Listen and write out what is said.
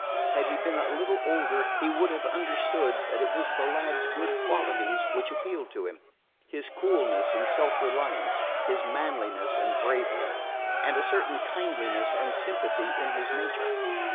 Had he been a little older he would have understood that it was the lad's good qualities which appealed to him his coolness and self reliance, his manliness and bravery, and a certain kindliness and sympathy in his nature.